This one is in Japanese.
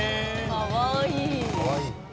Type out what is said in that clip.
かわいい。